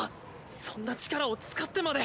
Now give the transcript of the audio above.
そんな力を使ってまで。